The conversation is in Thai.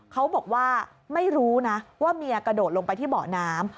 เขาบอกว่าไม่รู้นะว่าเมียกระโดดลงไปที่เบาะน้ำ